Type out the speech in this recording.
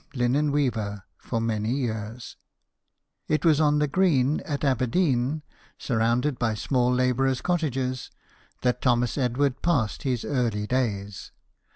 linen weaver for many years. It was on the green THOMAS EDWARD, SHOEMAKER. 167 at Aberdeen, surrounded by small labourers' cottages, that Thomas Edward passed his early days.